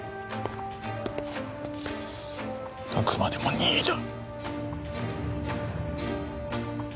あくまでも任意だ。